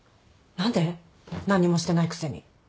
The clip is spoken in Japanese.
何にもしてないくせに。